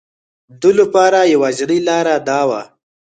ده لپاره یوازینی لاره دا وه.